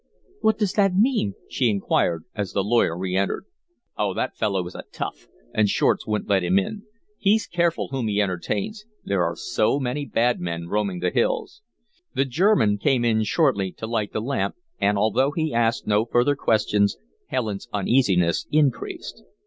"What does that mean?" she inquired, as the lawyer re entered. "Oh, that fellow is a tough, and Shortz wouldn't let him in. He's careful whom he entertains there are so many bad men roaming the hills." The German came in shortly to light the lamp, and, although she asked no further questions, Helen's uneasiness increased.